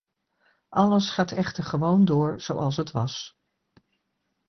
Alles gaat echter gewoon door zoals het was.